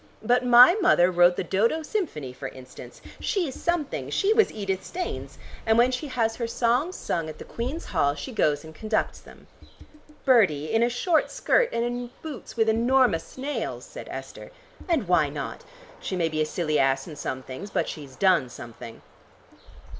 But my mother wrote the 'Dods Symphony' for instance. She's something; she was Edith Staines, and when she has her songs sung at the Queen's Hall, she goes and conducts them." "Bertie, in a short skirt and boots with enormous nails," said Esther. "And why not? She may be a silly ass in some things, but she's done something."